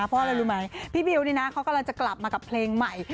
เพราะอะไรรู้ไหมพี่บิวนี่นะเขากำลังจะกลับมากับเพลงใหม่